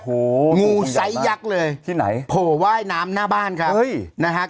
โอ้โหงูไซซ์ยักษ์เลยที่ไหนโหไว้น้ำน่าบ้านเอ้ยนะฮะ